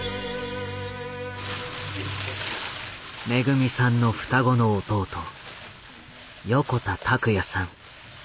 めぐみさんの双子の弟横田拓也さん。